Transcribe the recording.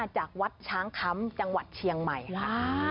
จากวัดช้างคำจังหวัดเชียงใหม่ค่ะ